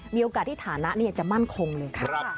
มีโอกาสที่ฐานะจะมั่นคงเลยค่ะ